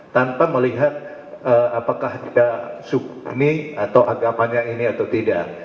tanpa melihat apakah dia sukuni atau agamanya ini atau tidak